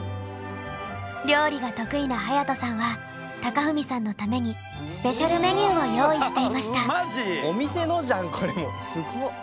料理が得意な隼人さんは貴文さんのためにスペシャルメニューを用意していました。